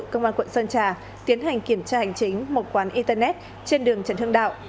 công an quận sơn trà tiến hành kiểm tra hành chính một quán internet trên đường trần hưng đạo